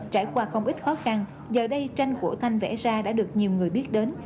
trải qua không ít khó khăn giờ đây tranh của thanh vẽ ra đã được nhiều người biết đến